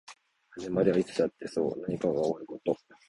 始まりはいつだってそう何かが終わること